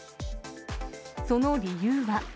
その理由は。